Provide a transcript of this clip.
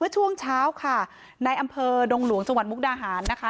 ช่วงเช้าค่ะในอำเภอดงหลวงจังหวัดมุกดาหารนะคะ